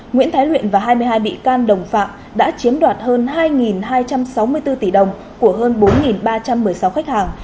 nguyễn thái luyện và hai mươi hai bị can đồng phạm đã chiếm đoạt hơn hai hai trăm sáu mươi bốn tỷ đồng của hơn bốn ba trăm một mươi sáu khách hàng